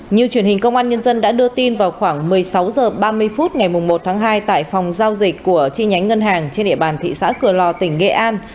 như truyền hình công an nhân dân đã đưa tin vào khoảng một mươi sáu h ba mươi phút ngày một tháng hai tại phòng giao dịch của chi nhánh ngân hàng trên địa bàn thị xã cửa lò tỉnh nghệ an